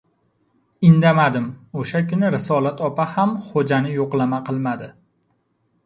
Indamadim. O‘sha kuni Risolat opa ham Xo‘jani yo‘qlama qilmadi.